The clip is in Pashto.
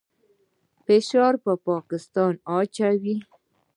فشار پر پاکستان واچوي.